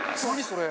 それ。